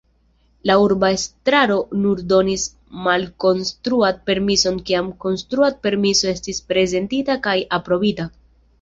La urba estraro nur donis malkonstruad-permison kiam konstruad-permiso estis prezentita kaj aprobita.